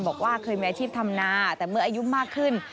บอกว่าเคยมีอาชีพทำนาแต่เมื่ออายุมากขึ้น